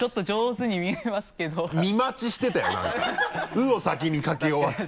「う」を先に書き終わって。